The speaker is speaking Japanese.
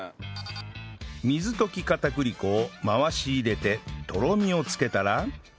水溶き片栗粉を回し入れてとろみをつけたら